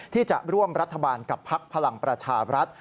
ที่จะร่วมรัฐบาลกับพักพลังประชาบรัฐ